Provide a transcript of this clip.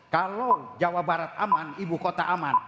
kalau jawa barat aman ibu kota aman